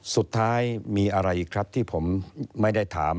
สุดท้ายมีอะไรอีกครับที่ผมไม่ได้ถาม